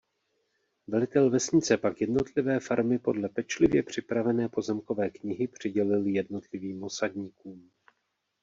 Velitel vesnice pak jednotlivé farmy podle pečlivě připravené pozemkové knihy přidělil jednotlivým osadníkům.